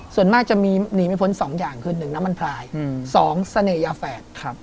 ส่วนมากจะมีหนีไม่พ้นสองอย่างขึ้นหนึ่งน้ำมันพลายสองเสน่ห์ยาแฝด